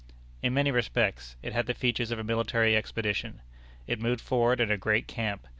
In many respects, it had the features of a military expedition. It moved forward in a great camp.